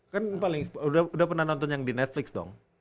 kan paling udah pernah nonton yang di netflix dong